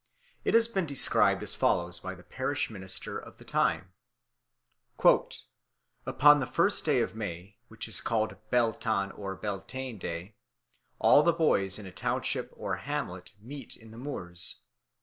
It has been described as follows by the parish minister of the time: "Upon the first day of May, which is called Beltan, or Baltein day, all the boys in a township or hamlet, meet in the moors.